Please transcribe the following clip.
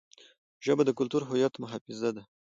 ژبه د کلتوري هویت محافظه ده.